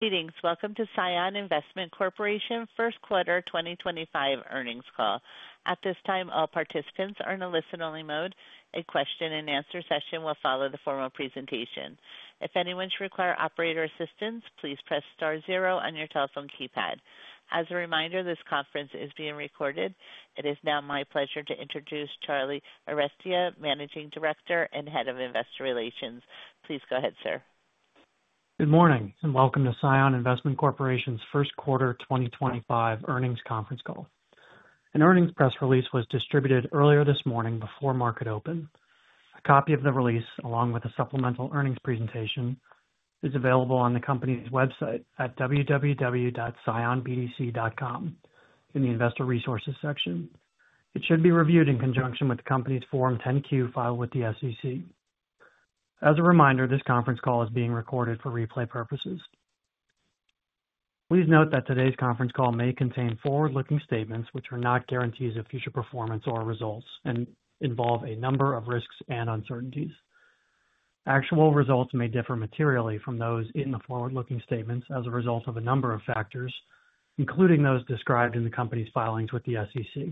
Greetings. Welcome to CION Investment Corporation First Quarter 2025 Earnings Call. At this time, all participants are in a listen-only mode. A question-and-answer session will follow the formal presentation. If anyone should require operator assistance, please press star zero on your telephone keypad. As a reminder, this conference is being recorded. It is now my pleasure to introduce Charlie Arestia, Managing Director and Head of Investor Relations. Please go ahead, sir. Good morning and welcome to CION Investment Corporation's First Quarter 2025 Earnings Conference Call. An earnings press release was distributed earlier this morning before market open. A copy of the release, along with a supplemental earnings presentation, is available on the company's website at www.cionbdc.com in the Investor Resources section. It should be reviewed in conjunction with the company's Form 10-Q filed with the SEC. As a reminder, this conference call is being recorded for replay purposes. Please note that today's conference call may contain forward-looking statements which are not guarantees of future performance or results and involve a number of risks and uncertainties. Actual results may differ materially from those in the forward-looking statements as a result of a number of factors, including those described in the company's filings with the SEC.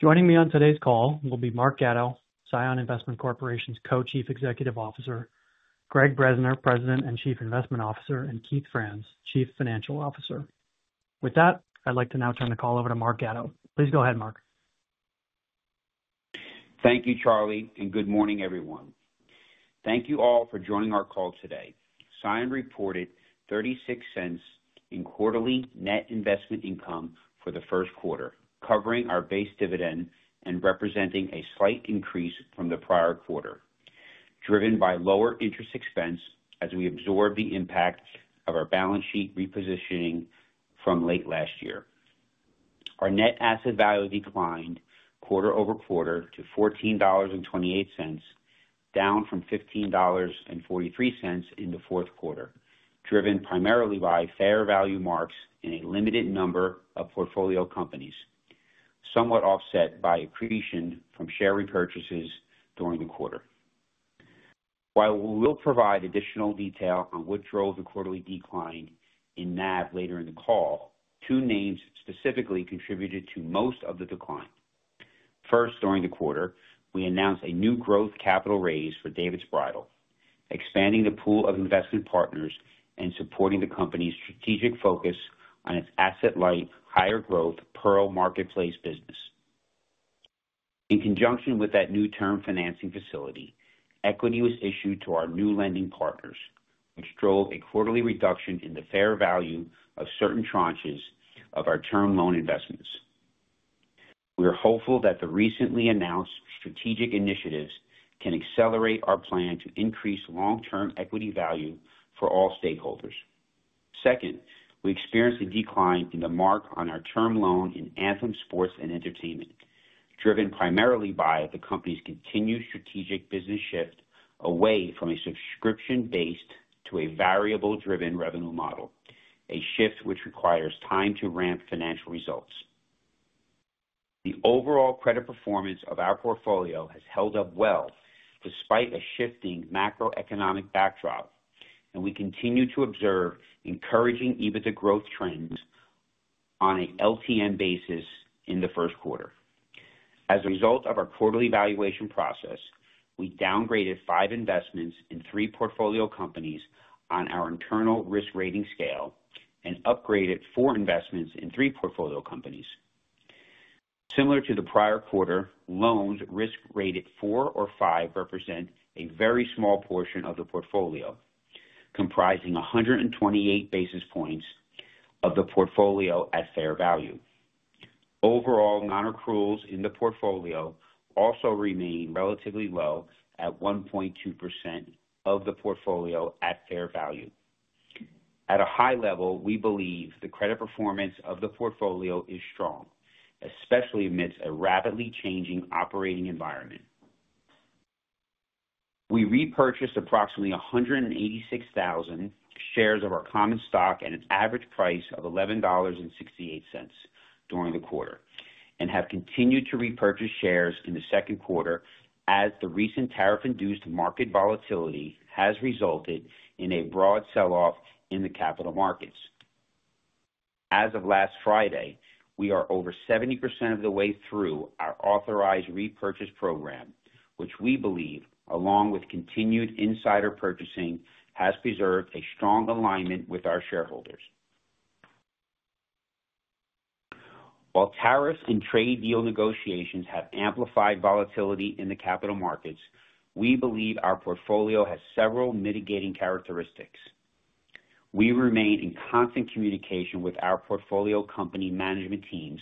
Joining me on today's call will be Mark Gatto, CION Investment Corporation's Co-Chief Executive Officer, Gregg Bresner, President and Chief Investment Officer, and Keith Franz, Chief Financial Officer. With that, I'd like to now turn the call over to Mark Gatto. Please go ahead, Mark. Thank you, Charlie, and good morning, everyone. Thank you all for joining our call today. CION reported $0.36 in quarterly net investment income for the first quarter, covering our base dividend and representing a slight increase from the prior quarter, driven by lower interest expense as we absorbed the impact of our balance sheet repositioning from late last year. Our net asset value declined quarter-over-quarter to $14.28, down from $15.43 in the fourth quarter, driven primarily by fair value marks in a limited number of portfolio companies, somewhat offset by accretion from share repurchases during the quarter. While we will provide additional detail on what drove the quarterly decline in NAV later in the call, two names specifically contributed to most of the decline. First, during the quarter, we announced a new growth capital raise for David's Bridal, expanding the pool of investment partners and supporting the company's strategic focus on its asset-light, higher-growth Pearl Marketplace business. In conjunction with that new term financing facility, equity was issued to our new lending partners, which drove a quarterly reduction in the fair value of certain tranches of our term loan investments. We are hopeful that the recently announced strategic initiatives can accelerate our plan to increase long-term equity value for all stakeholders. Second, we experienced a decline in the mark on our term loan in Anthem Sports & Entertainment, driven primarily by the company's continued strategic business shift away from a subscription-based to a variable-driven revenue model, a shift which requires time to ramp financial results. The overall credit performance of our portfolio has held up well despite a shifting macroeconomic backdrop, and we continue to observe encouraging EBITDA growth trends on an LTM basis in the first quarter. As a result of our quarterly valuation process, we downgraded five investments in three portfolio companies on our internal risk rating scale and upgraded four investments in three portfolio companies. Similar to the prior quarter, loans risk-rated four or five represent a very small portion of the portfolio, comprising 128 basis points of the portfolio at fair value. Overall, non-accruals in the portfolio also remain relatively low at 1.2% of the portfolio at fair value. At a high level, we believe the credit performance of the portfolio is strong, especially amidst a rapidly changing operating environment. We repurchased approximately 186,000 shares of our common stock at an average price of $11.68 during the quarter and have continued to repurchase shares in the second quarter as the recent tariff-induced market volatility has resulted in a broad sell-off in the capital markets. As of last Friday, we are over 70% of the way through our authorized repurchase program, which we believe, along with continued insider purchasing, has preserved a strong alignment with our shareholders. While tariffs and trade deal negotiations have amplified volatility in the capital markets, we believe our portfolio has several mitigating characteristics. We remain in constant communication with our portfolio company management teams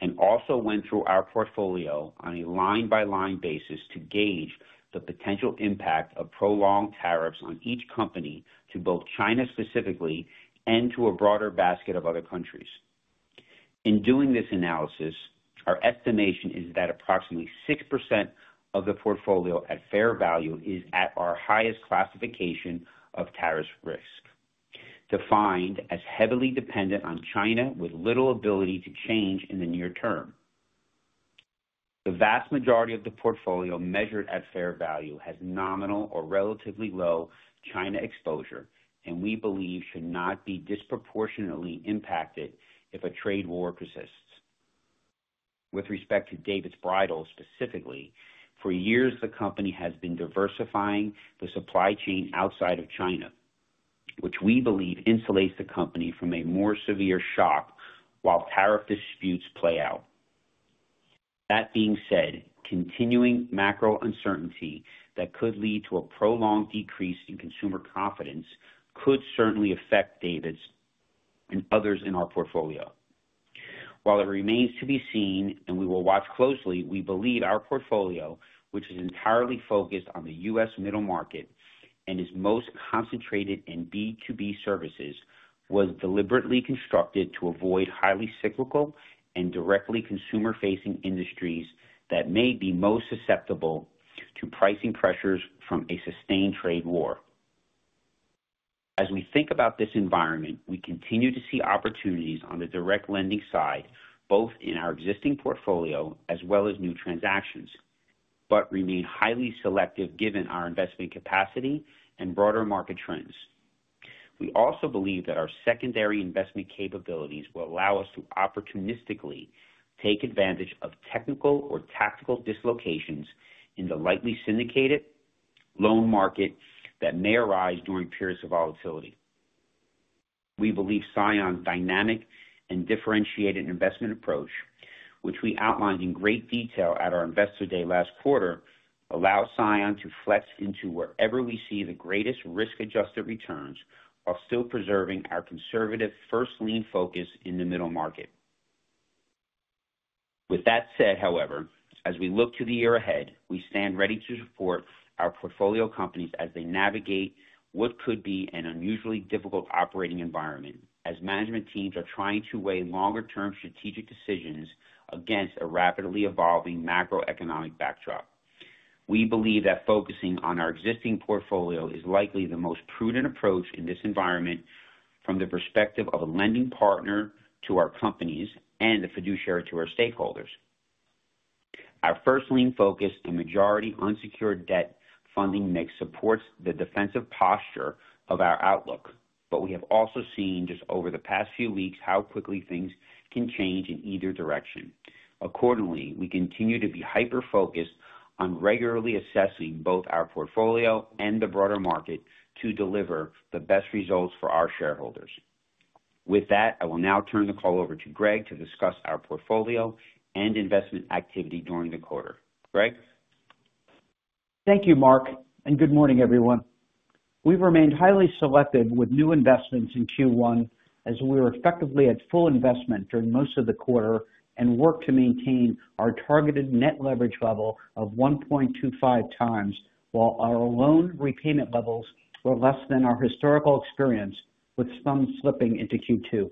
and also went through our portfolio on a line-by-line basis to gauge the potential impact of prolonged tariffs on each company to both China specifically and to a broader basket of other countries. In doing this analysis, our estimation is that approximately 6% of the portfolio at fair value is at our highest classification of tariff risk, defined as heavily dependent on China with little ability to change in the near term. The vast majority of the portfolio measured at fair value has nominal or relatively low China exposure, and we believe should not be disproportionately impacted if a trade war persists. With respect to David's Bridal specifically, for years, the company has been diversifying the supply chain outside of China, which we believe insulates the company from a more severe shock while tariff disputes play out. That being said, continuing macro uncertainty that could lead to a prolonged decrease in consumer confidence could certainly affect David's and others in our portfolio. While it remains to be seen and we will watch closely, we believe our portfolio, which is entirely focused on the U.S. middle market and is most concentrated in B2B services, was deliberately constructed to avoid highly cyclical and directly consumer-facing industries that may be most susceptible to pricing pressures from a sustained trade war. As we think about this environment, we continue to see opportunities on the direct lending side, both in our existing portfolio as well as new transactions, but remain highly selective given our investment capacity and broader market trends. We also believe that our secondary investment capabilities will allow us to opportunistically take advantage of technical or tactical dislocations in the likely syndicated loan market that may arise during periods of volatility. We believe CION's dynamic and differentiated investment approach, which we outlined in great detail at our investor day last quarter, allows CION to flex into wherever we see the greatest risk-adjusted returns while still preserving our conservative first lien focus in the middle market. With that said, however, as we look to the year ahead, we stand ready to support our portfolio companies as they navigate what could be an unusually difficult operating environment as management teams are trying to weigh longer-term strategic decisions against a rapidly evolving macroeconomic backdrop. We believe that focusing on our existing portfolio is likely the most prudent approach in this environment from the perspective of a lending partner to our companies and the fiduciary to our stakeholders. Our first lien focus and majority unsecured debt funding mix supports the defensive posture of our outlook, but we have also seen just over the past few weeks how quickly things can change in either direction. Accordingly, we continue to be hyper-focused on regularly assessing both our portfolio and the broader market to deliver the best results for our shareholders. With that, I will now turn the call over to Gregg to discuss our portfolio and investment activity during the quarter. Gregg? Thank you, Mark, and good morning, everyone. We've remained highly selective with new investments in Q1 as we were effectively at full investment during most of the quarter and worked to maintain our targeted net leverage level of 1.25x while our loan repayment levels were less than our historical experience, with some slipping into Q2.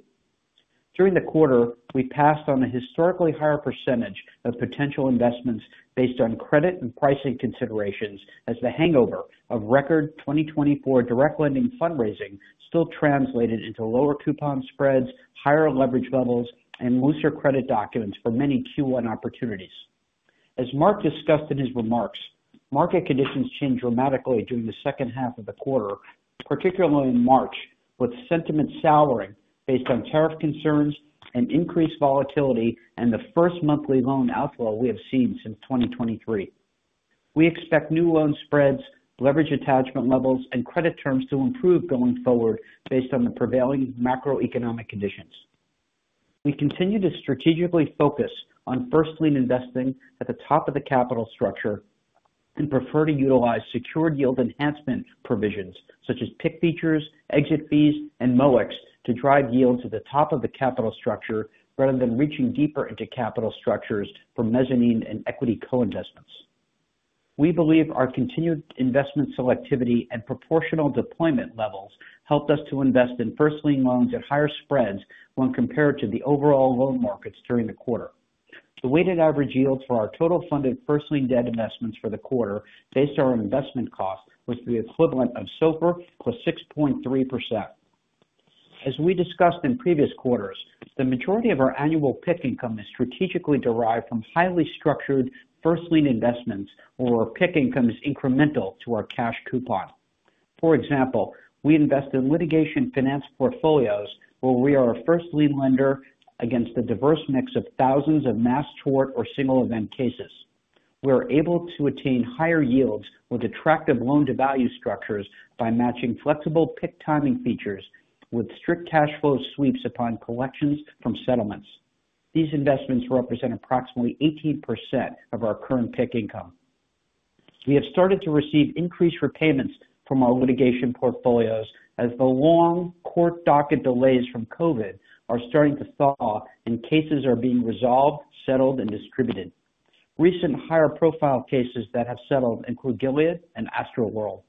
During the quarter, we passed on a historically higher percentage of potential investments based on credit and pricing considerations as the hangover of record 2024 direct lending fundraising still translated into lower coupon spreads, higher leverage levels, and looser credit documents for many Q1 opportunities. As Mark discussed in his remarks, market conditions changed dramatically during the second half of the quarter, particularly in March, with sentiment souring based on tariff concerns and increased volatility and the first monthly loan outflow we have seen since 2023. We expect new loan spreads, leverage attachment levels, and credit terms to improve going forward based on the prevailing macroeconomic conditions. We continue to strategically focus on first lien investing at the top of the capital structure and prefer to utilize secured yield enhancement provisions such as pick features, exit fees, and MOICs to drive yield to the top of the capital structure rather than reaching deeper into capital structures for mezzanine and equity co-investments. We believe our continued investment selectivity and proportional deployment levels helped us to invest in first lien loans at higher spreads when compared to the overall loan markets during the quarter. The weighted average yield for our total funded first lien debt investments for the quarter based on our investment cost was the equivalent of SOFR +6.3%. As we discussed in previous quarters, the majority of our annual pick income is strategically derived from highly structured first lien investments where our pick income is incremental to our cash coupon. For example, we invest in litigation-finance portfolios where we are a first lien lender against a diverse mix of thousands of mass tort or single-event cases. We are able to attain higher yields with attractive loan-to-value structures by matching flexible pick timing features with strict cash flow sweeps upon collections from settlements. These investments represent approximately 18% of our current pick income. We have started to receive increased repayments from our litigation portfolios as the long court docket delays from COVID are starting to thaw and cases are being resolved, settled, and distributed. Recent higher-profile cases that have settled include Gilead and AstroWorld.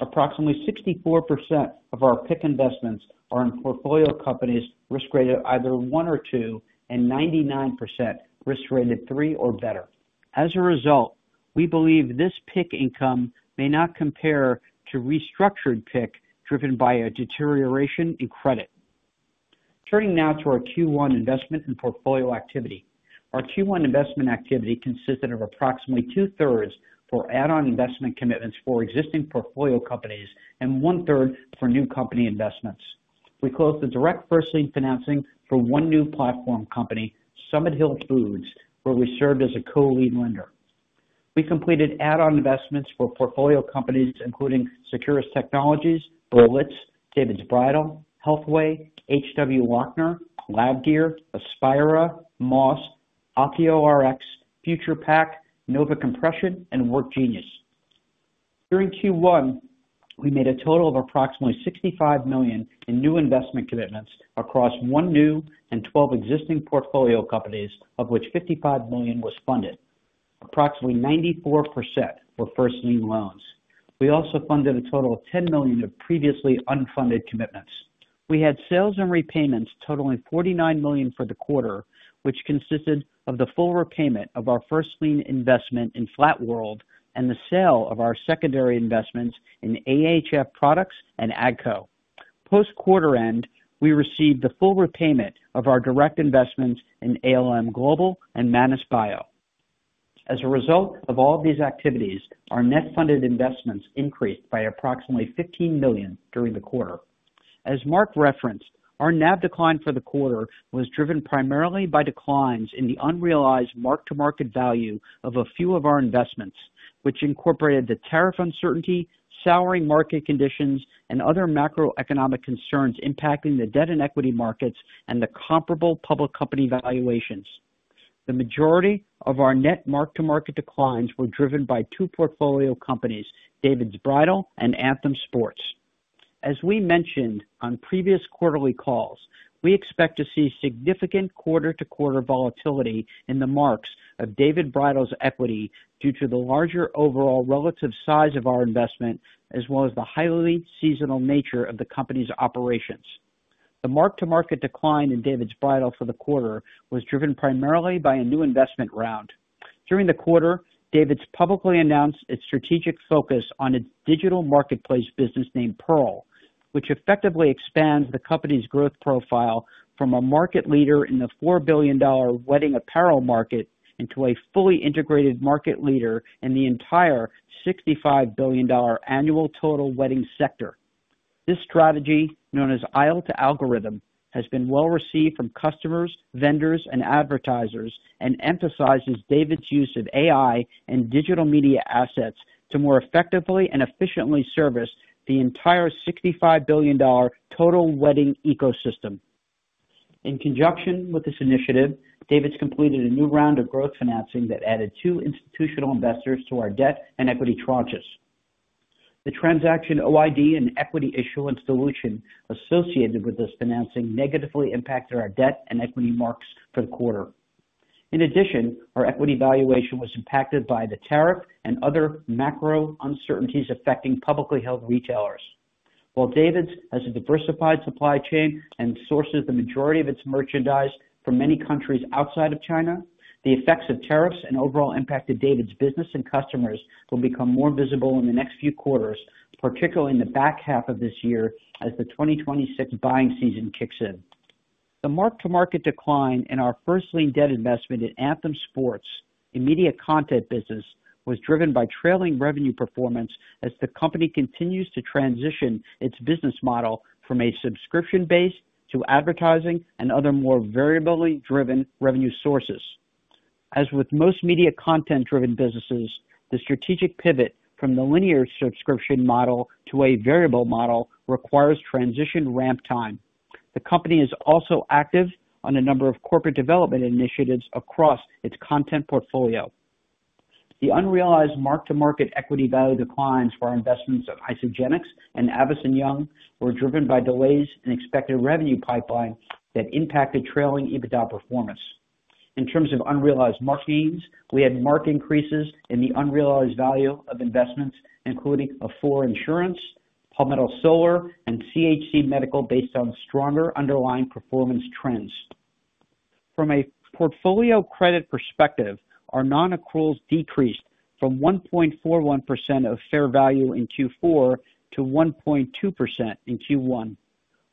Approximately 64% of our pick investments are in portfolio companies risk-rated either one or two and 99% risk-rated three or better. As a result, we believe this pick income may not compare to restructured pick driven by a deterioration in credit. Turning now to our Q1 investment and portfolio activity. Our Q1 investment activity consisted of approximately two-thirds for add-on investment commitments for existing portfolio companies and one-third for new company investments. We closed the direct first lien financing for one new platform company, Summit Hill Foods, where we served as a co-lead lender. We completed add-on investments for portfolio companies including Securus Technologies, Bulleit, David's Bridal, Healthway, H.W. Lochner, LabGear, Aspira, Moss, AkioRx, Future Pak, Nova Compression, and WorkGenius. During Q1, we made a total of approximately $65 million in new investment commitments across one new and 12 existing portfolio companies, of which $55 million was funded. Approximately 94% were first lien loans. We also funded a total of $10 million of previously unfunded commitments. We had sales and repayments totaling $49 million for the quarter, which consisted of the full repayment of our first-lien investment in Flat World and the sale of our secondary investments in AHF Products and AGCO. Post-quarter end, we received the full repayment of our direct investments in ALM Global and Manus Bio. As a result of all of these activities, our net funded investments increased by approximately $15 million during the quarter. As Mark referenced, our NAV decline for the quarter was driven primarily by declines in the unrealized mark-to-market value of a few of our investments, which incorporated the tariff uncertainty, souring market conditions, and other macroeconomic concerns impacting the debt and equity markets and the comparable public company valuations. The majority of our net mark-to-market declines were driven by two portfolio companies, David's Bridal and Anthem Sports. As we mentioned on previous quarterly calls, we expect to see significant quarter-to-quarter volatility in the marks of David's Bridal's equity due to the larger overall relative size of our investment as well as the highly seasonal nature of the company's operations. The mark-to-market decline in David's Bridal for the quarter was driven primarily by a new investment round. During the quarter, David's publicly announced its strategic focus on its digital marketplace business named Pearl, which effectively expands the company's growth profile from a market leader in the $4 billion wedding apparel market into a fully integrated market leader in the entire $65 billion annual total wedding sector. This strategy, known as Aisle to Algorithm, has been well received from customers, vendors, and advertisers and emphasizes David's use of AI and digital media assets to more effectively and efficiently service the entire $65 billion total wedding ecosystem. In conjunction with this initiative, David's completed a new round of growth financing that added two institutional investors to our debt and equity tranches. The transaction OID and equity issuance dilution associated with this financing negatively impacted our debt and equity marks for the quarter. In addition, our equity valuation was impacted by the tariff and other macro uncertainties affecting publicly held retailers. While David's has a diversified supply chain and sources the majority of its merchandise from many countries outside of China, the effects of tariffs and overall impact to David's business and customers will become more visible in the next few quarters, particularly in the back half of this year as the 2026 buying season kicks in. The mark-to-market decline in our first lien debt investment in Anthem Sports immediate content business was driven by trailing revenue performance as the company continues to transition its business model from a subscription-based to advertising and other more variably driven revenue sources. As with most media content-driven businesses, the strategic pivot from the linear subscription model to a variable model requires transition ramp time. The company is also active on a number of corporate development initiatives across its content portfolio. The unrealized mark-to-market equity value declines for our investments of Isagenix and Avison Young were driven by delays in expected revenue pipeline that impacted trailing EBITDA performance. In terms of unrealized mark gains, we had marked increases in the unrealized value of investments, including Afore Insurance, Palmetto Solar, and CHC Medical based on stronger underlying performance trends. From a portfolio credit perspective, our non-accruals decreased from 1.41% of fair value in Q4 to 1.2% in Q1.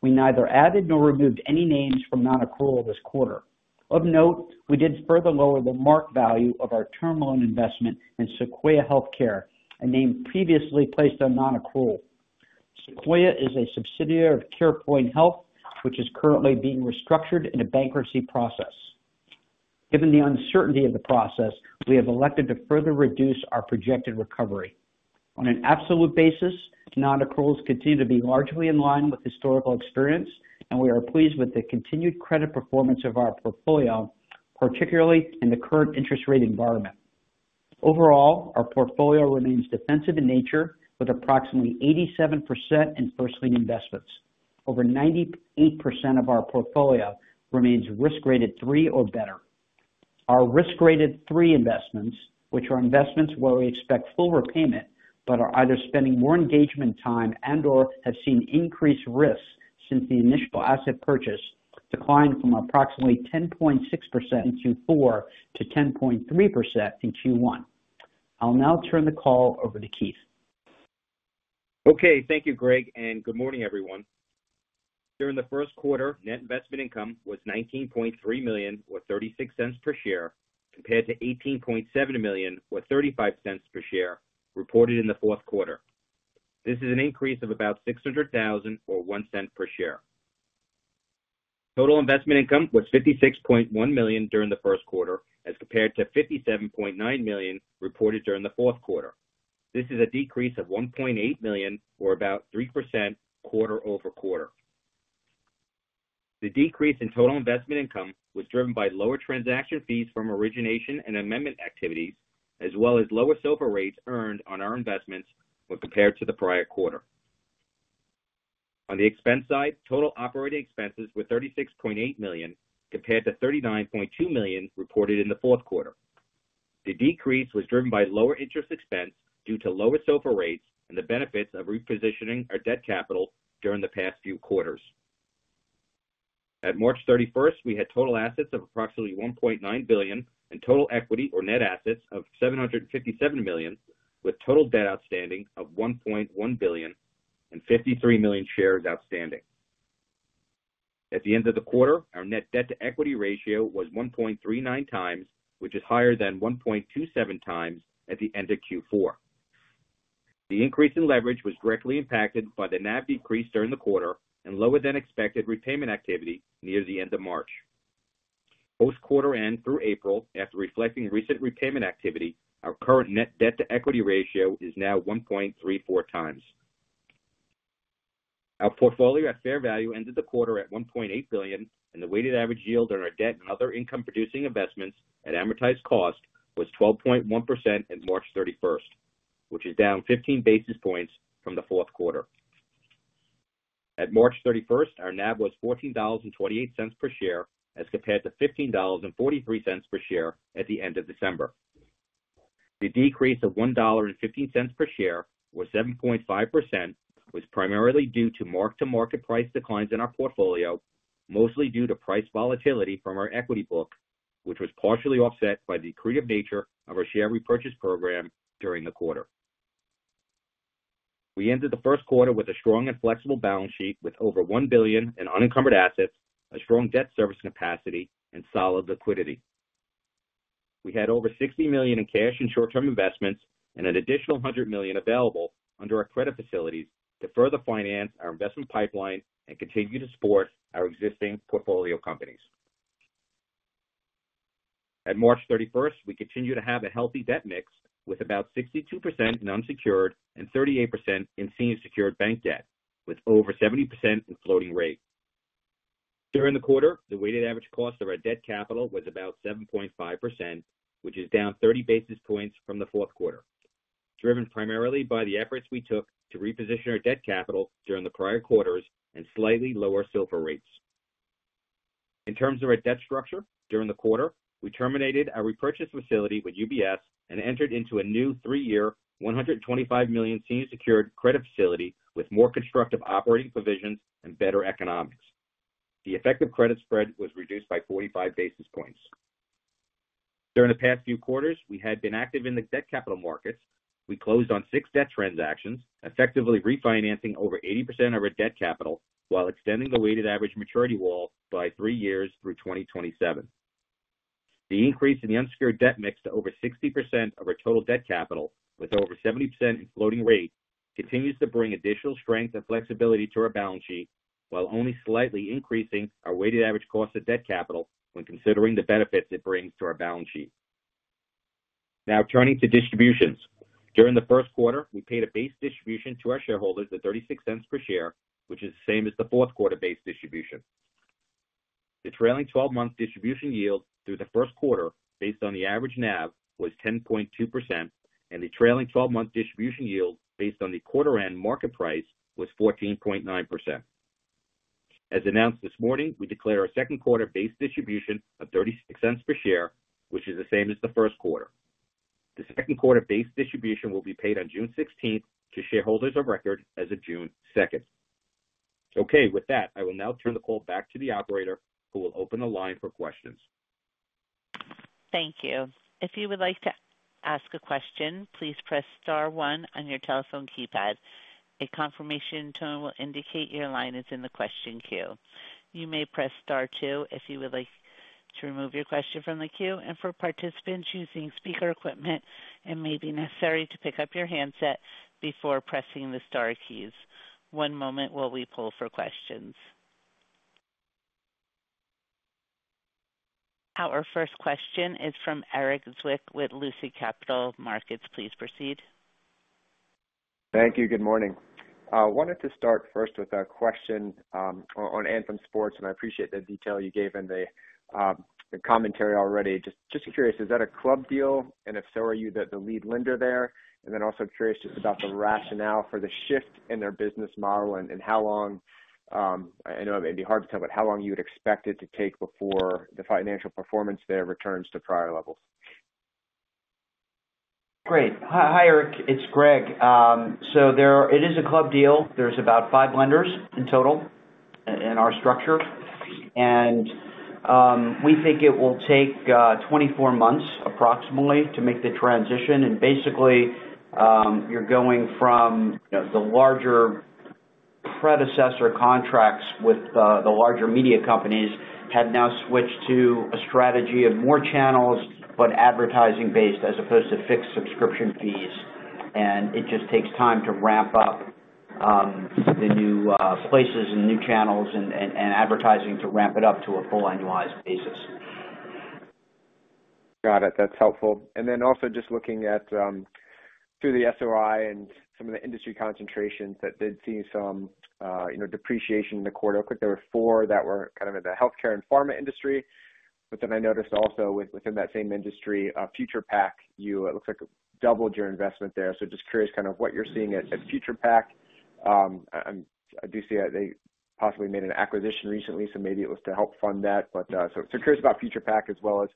We neither added nor removed any names from non-accrual this quarter. Of note, we did further lower the mark value of our term loan investment in Sequoia Health Care, a name previously placed on non-accrual. Sequoia is a subsidiary of CarePoint Health, which is currently being restructured in a bankruptcy process. Given the uncertainty of the process, we have elected to further reduce our projected recovery. On an absolute basis, non-accruals continue to be largely in line with historical experience, and we are pleased with the continued credit performance of our portfolio, particularly in the current interest rate environment. Overall, our portfolio remains defensive in nature with approximately 87% in first lien investments. Over 98% of our portfolio remains risk-rated three or better. Our risk-rated three investments, which are investments where we expect full repayment but are either spending more engagement time and/or have seen increased risk since the initial asset purchase, declined from approximately 10.6% in Q4 to 10.3% in Q1. I'll now turn the call over to Keith. Okay. Thank you, Gregg, and good morning, everyone. During the first quarter, net investment income was $19.3 million or $0.36 per share compared to $18.7 million or $0.35 per share reported in the fourth quarter. This is an increase of about $600,000 or $0.01 per share. Total investment income was $56.1 million during the first quarter as compared to $57.9 million reported during the fourth quarter. This is a decrease of $1.8 million or about 3% quarter-over-quarter. The decrease in total investment income was driven by lower transaction fees from origination and amendment activities, as well as lower SOFR rates earned on our investments when compared to the prior quarter. On the expense side, total operating expenses were $36.8 million compared to $39.2 million reported in the fourth quarter. The decrease was driven by lower interest expense due to lower SOFR rates and the benefits of repositioning our debt capital during the past few quarters. At March 31st, we had total assets of approximately $1.9 billion and total equity or net assets of $757 million, with total debt outstanding of $1.1 billion and 53 million shares outstanding. At the end of the quarter, our net debt-to-equity ratio was 1.39x, which is higher than 1.27x at the end of Q4. The increase in leverage was directly impacted by the NAV decrease during the quarter and lower than expected repayment activity near the end of March. Post-quarter end through April, after reflecting recent repayment activity, our current net debt-to-equity ratio is now 1.34x. Our portfolio at fair value ended the quarter at $1.8 billion, and the weighted average yield on our debt and other income-producing investments at amortized cost was 12.1% at March 31st, which is down 15 basis points from the fourth quarter. At March 31st, our NAV was $14.28 per share as compared to $15.43 per share at the end of December. The decrease of $1.15 per share was 7.5%, which was primarily due to mark-to-market price declines in our portfolio, mostly due to price volatility from our equity book, which was partially offset by the creative nature of our share repurchase program during the quarter. We ended the first quarter with a strong and flexible balance sheet with over $1 billion in unencumbered assets, a strong debt service capacity, and solid liquidity. We had over $60 million in cash and short-term investments and an additional $100 million available under our credit facilities to further finance our investment pipeline and continue to support our existing portfolio companies. At March 31st, we continued to have a healthy debt mix with about 62% in unsecured and 38% in senior secured bank debt, with over 70% in floating rate. During the quarter, the weighted average cost of our debt capital was about 7.5%, which is down 30 basis points from the fourth quarter, driven primarily by the efforts we took to reposition our debt capital during the prior quarters and slightly lower SOFR rates. In terms of our debt structure during the quarter, we terminated our repurchase facility with UBS and entered into a new three-year $125 million senior secured credit facility with more constructive operating provisions and better economics. The effective credit spread was reduced by 45 basis points. During the past few quarters, we had been active in the debt capital markets. We closed on six debt transactions, effectively refinancing over 80% of our debt capital while extending the weighted average maturity wall by three years through 2027. The increase in the unsecured debt mix to over 60% of our total debt capital, with over 70% in floating rate, continues to bring additional strength and flexibility to our balance sheet while only slightly increasing our weighted average cost of debt capital when considering the benefits it brings to our balance sheet. Now, turning to distributions. During the first quarter, we paid a base distribution to our shareholders of $0.36 per share, which is the same as the fourth quarter base distribution. The trailing 12-month distribution yield through the first quarter based on the average NAV was 10.2%, and the trailing 12-month distribution yield based on the quarter-end market price was 14.9%. As announced this morning, we declare our second quarter base distribution of $0.36 per share, which is the same as the first quarter. The second quarter base distribution will be paid on June 16 to shareholders of record as of June 2nd. Okay. With that, I will now turn the call back to the operator who will open the line for questions. Thank you. If you would like to ask a question, please press star one on your telephone keypad. A confirmation tone will indicate your line is in the question queue. You may press star two if you would like to remove your question from the queue. For participants using speaker equipment, it may be necessary to pick up your handset before pressing the star keys. One moment while we pull for questions. Our first question is from Erik Zwick with Lucid Capital Markets. Please proceed. Thank you. Good morning. I wanted to start first with a question on Anthem Sports, and I appreciate the detail you gave and the commentary already. Just curious, is that a club deal? If so, are you the lead lender there? I am also curious just about the rationale for the shift in their business model and how long—I know it may be hard to tell—but how long you would expect it to take before the financial performance there returns to prior levels? Great. Hi, Erik. It's Gregg. It is a club deal. There are about five lenders in total in our structure. We think it will take 24 months approximately to make the transition. Basically, you are going from the larger predecessor contracts with the larger media companies that have now switched to a strategy of more channels but advertising-based as opposed to fixed subscription fees. It just takes time to ramp up the new places and new channels and advertising to ramp it up to a full annualized basis. Got it. That's helpful. And then also just looking at through the SOI and some of the industry concentrations that did see some depreciation in the quarter. I think there were four that were kind of in the healthcare and pharma industry. But then I noticed also within that same industry, Future Pak, it looks like doubled your investment there. So just curious kind of what you're seeing at Future Pak. I do see that they possibly made an acquisition recently, so maybe it was to help fund that. But so curious about Future Pak as well as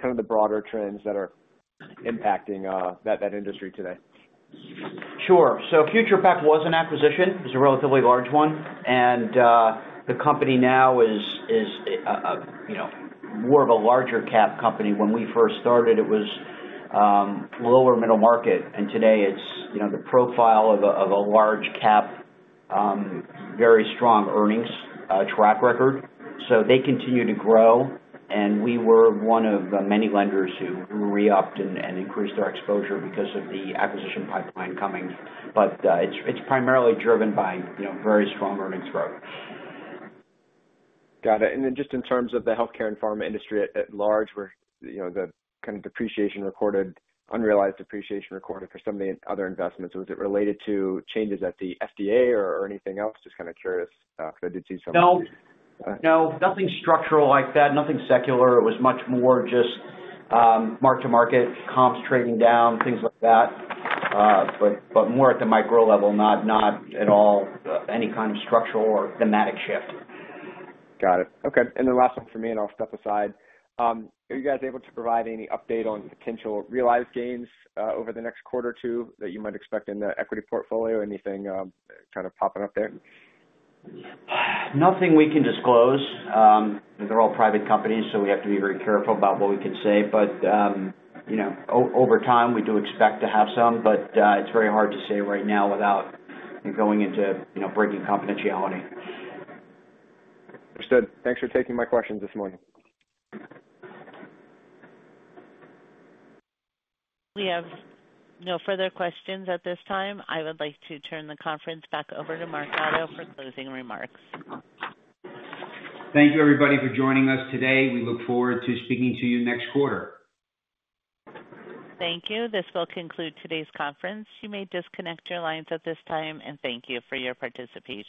kind of the broader trends that are impacting that industry today. Sure. Future Pak was an acquisition. It was a relatively large one. The company now is more of a larger-cap company. When we first started, it was lower middle market. Today, it is the profile of a large-cap, very strong earnings track record. They continue to grow. We were one of the many lenders who re-upped and increased our exposure because of the acquisition pipeline coming. It is primarily driven by very strong earnings growth. Got it. Just in terms of the healthcare and pharma industry at large, the kind of depreciation recorded, unrealized depreciation recorded for some of the other investments, was it related to changes at the FDA or anything else? Just kind of curious because I did see some. No. No. Nothing structural like that. Nothing secular. It was much more just mark-to-market, comps trading down, things like that, but more at the micro level, not at all any kind of structural or thematic shift. Got it. Okay. And then last one for me, and I'll step aside. Are you guys able to provide any update on potential realized gains over the next quarter or two that you might expect in the equity portfolio? Anything kind of popping up there? Nothing we can disclose. They are all private companies, so we have to be very careful about what we can say. Over time, we do expect to have some, but it is very hard to say right now without going into breaking confidentiality. Understood. Thanks for taking my questions this morning. We have no further questions at this time. I would like to turn the conference back over to Mark Gatto for closing remarks. Thank you, everybody, for joining us today. We look forward to speaking to you next quarter. Thank you. This will conclude today's conference. You may disconnect your lines at this time, and thank you for your participation.